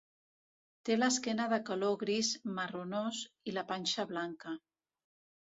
Té l'esquena de color gris marronós i la panxa blanca.